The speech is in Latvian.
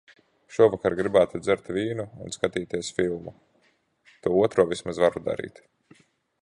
Šovakar gribētu dzert vīnu un skatīties filmu. To otro vismaz varu darīt.